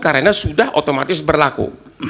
karena sudah otomatis berlaku